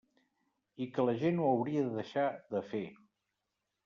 I que la gent ho hauria de deixar de fer.